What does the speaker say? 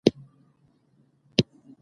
افغانستان له پابندی غرونه ډک دی.